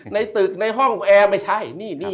ในตึกในห้องแอร์ไม่ใช่นี่